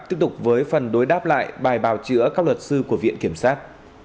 tiếp tục với phần đối đáp lại bài bào chữa các luật sư của viện kiểm sát